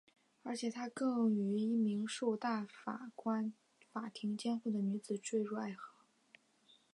而且他更与一名受大法官法庭监护的女子堕入爱河。